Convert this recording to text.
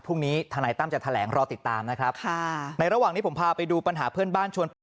ทนายตั้มจะแถลงรอติดตามนะครับค่ะในระหว่างนี้ผมพาไปดูปัญหาเพื่อนบ้านชวนไป